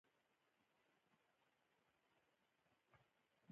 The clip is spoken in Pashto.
مېلمه ته د کور د زړښت شکایت مه کوه.